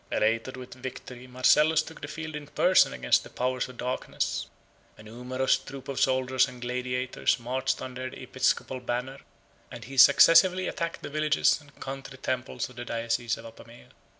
Elated with victory, Marcellus took the field in person against the powers of darkness; a numerous troop of soldiers and gladiators marched under the episcopal banner, and he successively attacked the villages and country temples of the diocese of Apamea.